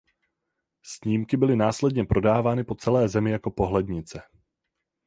Snímky byly následně prodávány po celé zemi jako pohlednice.